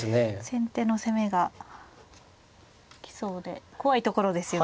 先手の攻めが来そうで怖いところですよね。